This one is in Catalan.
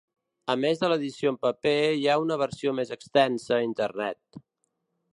A més de l'edició en paper hi ha una versió més extensa a Internet.